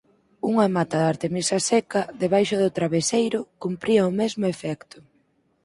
Unha mata de artemisa seca debaixo do traveseiro cumpría o mesmo efecto.